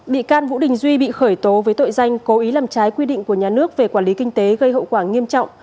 bị can vũ đình duy bị khởi tố với tội danh cố ý làm trái quy định của nhà nước về quản lý kinh tế gây hậu quả nghiêm trọng